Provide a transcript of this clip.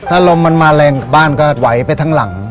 ถ้าลมมันมาแรงบ้านก็ไหวไปทั้งหลัง